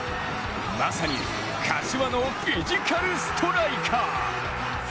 まさに柏のフィジカルストライカー。